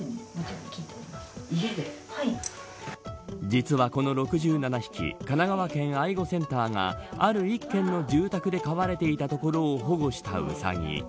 実はこの６７匹神奈川県愛護センターがある１軒の住宅で飼われていたところを保護したウサギ。